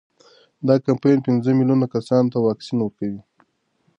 دا کمپاین پنځه میلیون کسانو ته واکسین ورکوي.